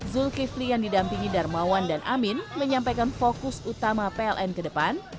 zulkifli yang didampingi darmawan dan amin menyampaikan fokus utama pln ke depan